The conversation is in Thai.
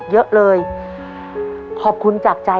ภายในเวลา๓นาที